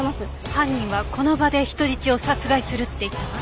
犯人はこの場で人質を殺害するって言ったわ。